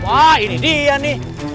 wah ini dia nih